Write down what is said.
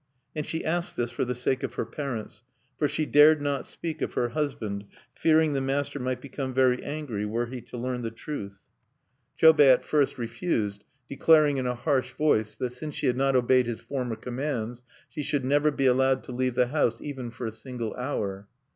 And she asked this for the sake of her parents; for she dared not speak of her husband, fearing the master might become very angry were he to learn the truth. Chobei at first refused, declaring in a harsh voice that since she had not obeyed his former commands, she should never be allowed to leave the house, even for a single hour.